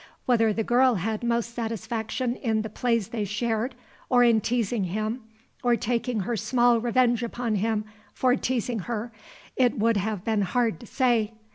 Whether the girl had most satisfaction in the plays they shared, or in teasing him, or taking her small revenge upon him for teasing her, it would have been hard to say.